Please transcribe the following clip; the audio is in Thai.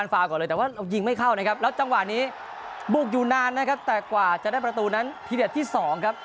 นานนะครับแต่กว่าจะได้ประตูนั้นทีเดียที่๒ครับ